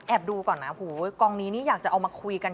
ดูก่อนนะโหกองนี้นี่อยากจะเอามาคุยกัน